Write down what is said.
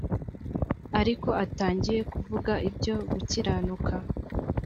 ariko atangiye kuvuga ibyo gukiranuka.